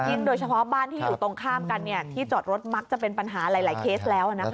โดยเฉพาะบ้านที่อยู่ตรงข้ามกันที่จอดรถมักจะเป็นปัญหาหลายเคสแล้ว